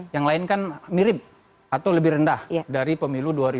yang lain kan mirip atau lebih rendah dari pemilu dua ribu sembilan belas